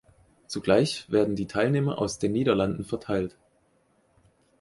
Zugleich werden die Teilnehmer aus den Niederlanden verteilt.